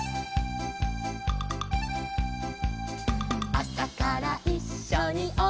「あさからいっしょにおにぎり」